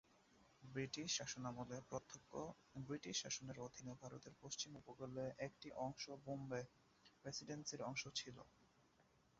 British শাসনামলে প্রত্যক্ষ British শাসনের অধীনে ভারতের পশ্চিম উপকূলের একটি অংশ বোম্বে প্রেসিডেন্সির অংশ ছিল।